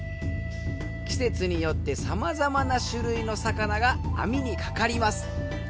季節によって様々な種類の魚が網にかかります。